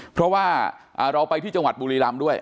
เพราะว่าเราไปที่จังหวัดบุรีรำด้วย